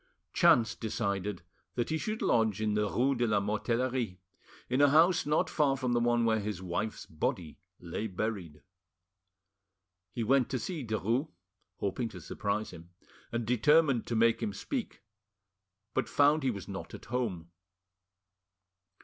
Chance decided that he should lodge in the rue de la Mortellerie, in a house not far from the one where his wife's body lay buried. He went to see Derues, hoping to surprise him, and determined to make him speak, but found he was not at home.